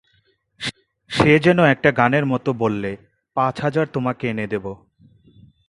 সে যেন একটা গানের মতো বললে, পাঁচ হাজার তোমাকে এনে দেব।